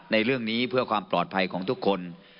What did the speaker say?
ในเรื่องนี้เพื่อความปลอดภัยของทุกคน